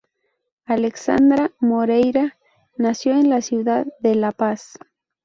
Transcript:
Alexandra Moreira nació en la ciudad de La Paz.